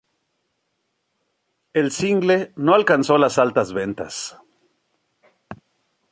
El single no alcanzó altas ventas.